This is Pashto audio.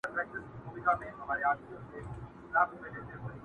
خداى وركړي وه سل سره سل خيالونه؛